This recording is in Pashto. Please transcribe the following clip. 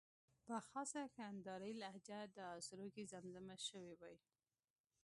په خاصه کندارۍ لهجه دا سروکی زمزمه شوی وای.